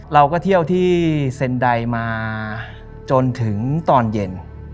เราก็เที่ยวที่เซ็นไดมาจนถึงตอนเย็น